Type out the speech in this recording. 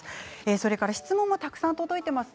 それから質問もたくさん届いています。